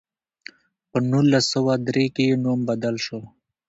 په نولس سوه درې کې یې نوم بدل شو.